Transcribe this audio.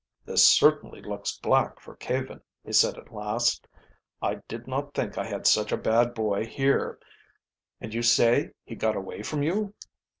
"This certainly looks black for Caven," he said at last. "I did not think I had such a bad boy here. And you say he got away from you?"